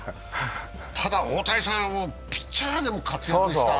ただ、大谷さん、ピッチャーでも活躍したんだから。